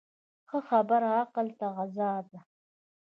ښه خبره عقل ته غذا ده.